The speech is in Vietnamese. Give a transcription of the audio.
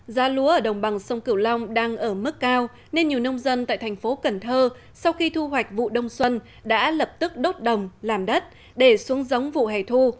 giá lúa ở đồng bằng sông cửu long đang ở mức cao nên nhiều nông dân tại thành phố cần thơ sau khi thu hoạch vụ đông xuân đã lập tức đốt đồng làm đất để xuống giống vụ hẻ thu